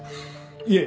いえ